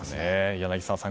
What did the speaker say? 柳澤さん